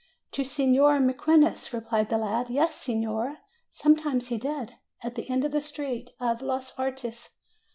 "To Signor Mequinez," replied the lad; "yes, signora, sometimes he did. At the end of the street of los Artes."